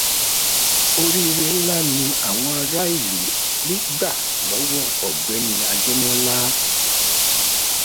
Oríire nlá ni àwọn ará ìlú rí gbà lọ́wọ́ Ọ̀gbẹ́ni Adémọ́lá